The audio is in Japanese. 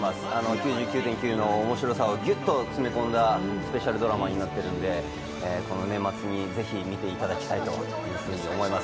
「９９．９」の面白さをギュッと詰め込んだスペシャルドラマになっているので、この年末にぜひ見ていただきたいと思います。